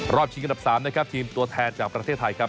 ชิงอันดับ๓นะครับทีมตัวแทนจากประเทศไทยครับ